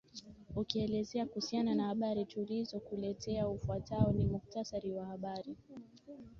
ukielezea kuhusiana na habari tulizo kuletea ufwatao ni mkutasari wa habari